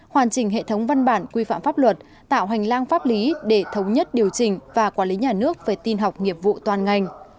hoàn chỉnh hệ thống văn bản quy phạm pháp luật tạo hành lang pháp lý để thống nhất điều chỉnh và quản lý nhà nước về tin học nghiệp vụ toàn ngành